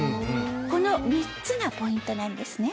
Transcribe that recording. この３つがポイントなんですね。